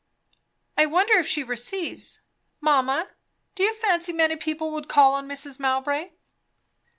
"I wonder if she receives? Mamma, do you fancy many people would call on Mrs. Mowbray?"